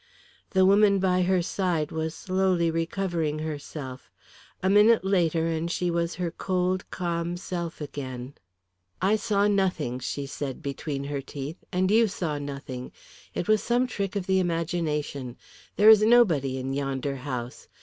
The woman by her side was slowly recovering herself. A minute later and she was her cold calm self again. "I saw nothing," she said, between her teeth. "And you saw nothing. It was some trick of the imagination. There is nobody in yonder house.